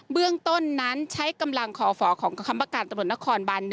เบื้องต้นนั้นใช้กำลังคอฝของคำประการตำรวจนครบาน๑